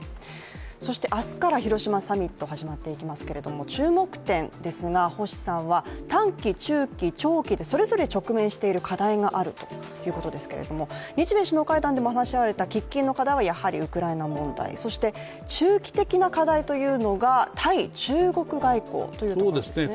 明日から広島サミット始まっていきますけれども、注目点ですが、星さんは短期、中期、長期でそれぞれ直面している課題があるということですが日米首脳会談でも話し合われた喫緊の課題はウクライナ問題、そして中期的な課題というのが対中国外交というところですね？